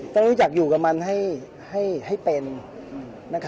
ต้องรู้จักอยู่กับมันให้เป็น